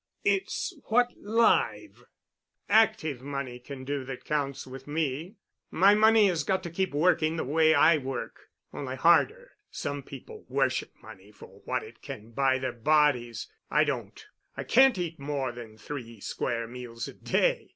It's what live, active money can do that counts with me. My money has got to keep working the way I work—only harder. Some people worship money for what it can buy their bodies. I don't. I can't eat more than three square meals a day.